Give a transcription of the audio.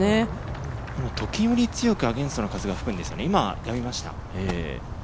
時折強くアゲンストの風が吹くんですよね、今はやみました。